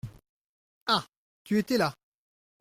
Ah ! Tu étais là ?